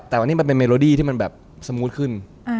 แต่วันนี้มันเป็นเมโลดี้ที่มันแบบสมูทขึ้น